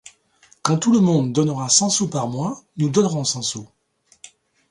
Quand tout le monde donnera cent sous par mois, nous donnerons cent sous.